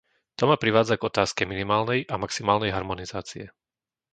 To ma privádza k otázke minimálnej a maximálnej harmonizácie.